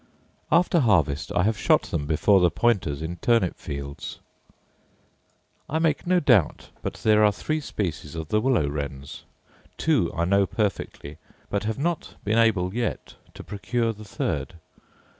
After harvest I have shot them before the pointers in turnip fields. I make no doubt but there are three species of the willow wrens: two I know perfectly; but have not been able yet to procure the third.